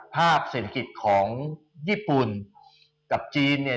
เศรษฐกิจของญี่ปุ่นกับจีนเนี่ย